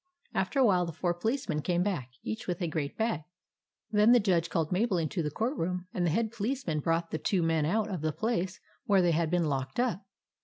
After a while the four policemen came back, each with a great bag. Then the Judge called Mabel into the court room, and the Head Policeman brought the two men out of the place where they had been locked up.